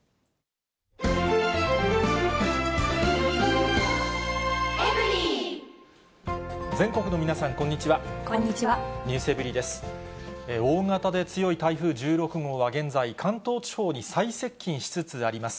大型で強い台風１６号は現在、関東地方に最接近しつつあります。